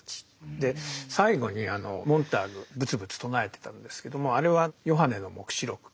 で最後にモンターグぶつぶつ唱えてたんですけどもあれは「ヨハネの黙示録」。